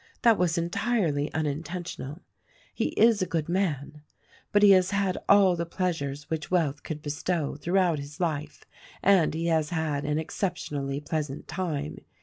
That was entirely unintentional. "He is a good man. But he has had all the pleasures which wealth could bestow, throughout his life; and he has had an exceptionally pleasant time.